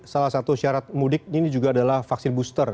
salah satu syarat mudik ini juga adalah vaksin booster